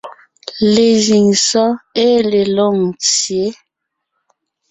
Lezíŋ sɔ́ɔn ée le Lôŋtsyě,